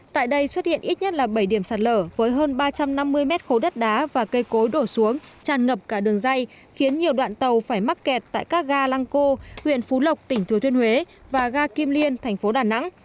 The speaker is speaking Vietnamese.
tại đây xuất hiện ít nhất là bảy điểm sạt lở với hơn ba trăm năm mươi mét khối đất đá và cây cối đổ xuống tràn ngập cả đường dây khiến nhiều đoạn tàu phải mắc kẹt tại các ga lăng cô huyện phú lộc tỉnh thừa thuyên huế và ga kim liên thành phố đà nẵng